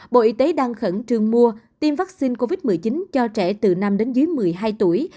bộ y tế đang khẩn trương mua tiêm vaccine covid một mươi chín cho trẻ từ năm đến dưới một mươi hai tuổi